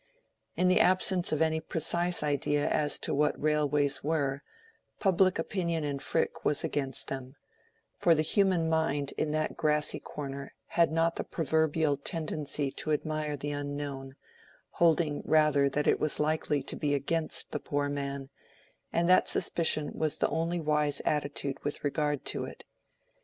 In the absence of any precise idea as to what railways were, public opinion in Frick was against them; for the human mind in that grassy corner had not the proverbial tendency to admire the unknown, holding rather that it was likely to be against the poor man, and that suspicion was the only wise attitude with regard to it.